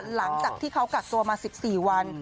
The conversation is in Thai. หลังจากที่เขากักตัวมา๑๔วัน